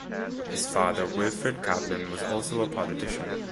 His father, Wilfred Caplan, was also a politician.